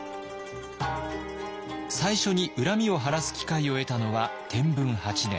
最初に恨みを晴らす機会を得たのは天文８年。